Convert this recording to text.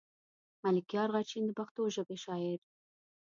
ملکيار غرشين د پښتو ژبې شاعر.